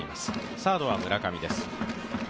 サードは村上です。